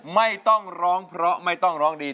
ไม่ต้องร้องเพราะไม่ต้องร้องดี